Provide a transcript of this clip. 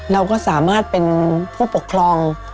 เราก็สามารถเป็นผู้ปกครอง